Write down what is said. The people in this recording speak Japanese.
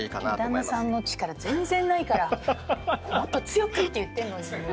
旦那さんの力全然ないからもっと強く！って言ってんのにもう全然。